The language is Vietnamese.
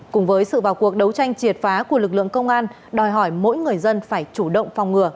cùng với sự vào cuộc đấu tranh triệt phá của lực lượng công an đòi hỏi mỗi người dân phải chủ động phòng ngừa